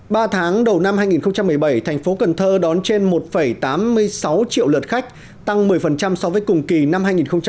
ba tháng đầu năm hai nghìn một mươi bảy thành phố cần thơ đón trên một tám mươi sáu triệu lượt khách tăng một mươi so với cùng kỳ năm hai nghìn một mươi tám